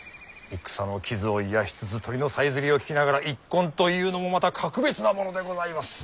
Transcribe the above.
戦の傷を癒やしつつ鳥のさえずりを聞きながら一献というのもまた格別なものでございます。